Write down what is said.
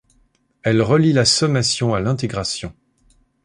Elle relie la sommation à l'intégration.